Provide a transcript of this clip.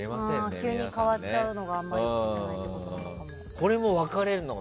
急に変わっちゃうのがあんまり好きじゃないってことなのかも。